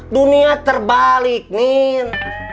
dunia terbalik nin